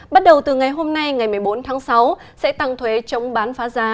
bắt đầu từ ngày hôm nay ngày một mươi bốn tháng sáu sẽ tăng thuế chống bán phá giá